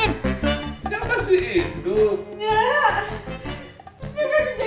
nggak masih hidup